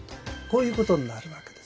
こういうことになるわけですね。